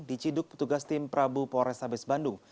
diciduk petugas tim prabu pores abis bandung